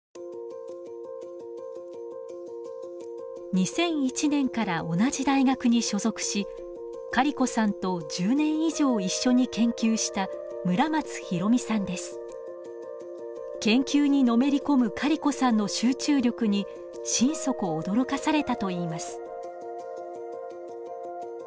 ２００１年から同じ大学に所属しカリコさんと１０年以上一緒に研究した研究にのめり込むカリコさんの集中力に心底驚かされたといいます。